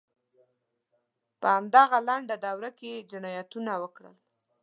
په همدغه لنډه دوره کې یې جنایتونه وکړل.